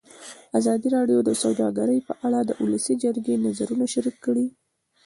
ازادي راډیو د سوداګري په اړه د ولسي جرګې نظرونه شریک کړي.